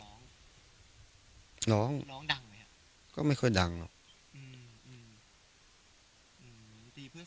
มันน่าจะปกติบ้านเรามีก้านมะยมไหม